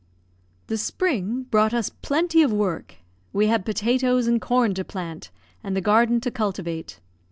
The spring brought us plenty of work; we had potatoes and corn to plant, and the garden to cultivate.